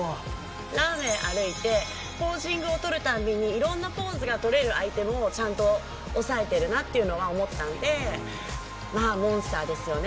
ランウェイ歩いてポージングを取る度に色んなポーズが取れるアイテムをちゃんとおさえてるなっていうのは思ったんでまあモンスターですよね。